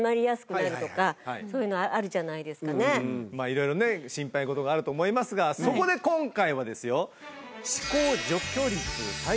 色々ね心配事があると思いますがそこで今回はですよ。